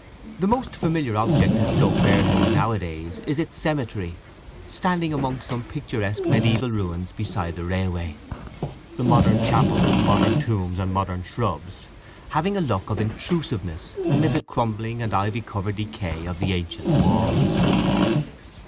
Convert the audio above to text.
The most familiar object in Stoke Barehills nowadays is its cemetery, standing among some picturesque mediæval ruins beside the railway; the modern chapels, modern tombs, and modern shrubs having a look of intrusiveness amid the crumbling and ivy covered decay of the ancient walls.